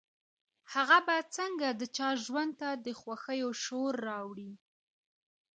هغه به څنګه د چا ژوند ته د خوښيو شور راوړي.